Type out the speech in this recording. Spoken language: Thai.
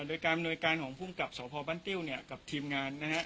โดยการอำนวยการของภูมิกับสพบ้านติ้วเนี่ยกับทีมงานนะฮะ